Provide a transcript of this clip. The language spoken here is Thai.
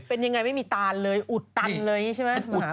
เป็นยังไงไม่มีตานเลยอุดตันเลยใช่มะ